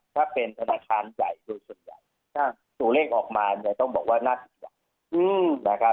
ถ้าเป็นธนาคารใหญ่สูตรใหญ่สูตรเลขออกมาเนี่ยต้องบอกว่านักศึกษา